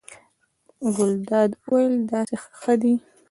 ګلداد وویل: داسې ښه دی.